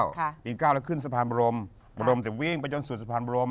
แล้วขึ้นสะพานบรมบรมจะวิ่งไปจนสุดสะพานบรม